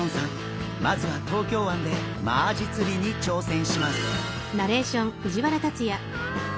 まずは東京湾でマアジ釣りに挑戦します。